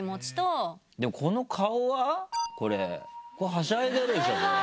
はしゃいでるでしょこれ。